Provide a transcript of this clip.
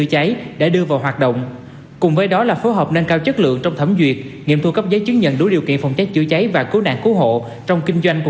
hãy đăng ký kênh để ủng hộ kênh của mình nhé